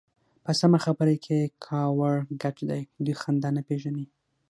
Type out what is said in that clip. په سمه خبره کې يې کاوړ ګډ دی. دوی خندا نه پېژني.